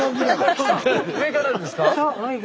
上からですか？